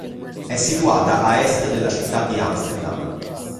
È situata a est della città di Amsterdam.